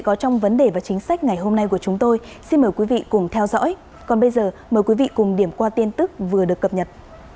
còn bây giờ mời quý vị cùng điểm qua tin tức vừa được cập nhật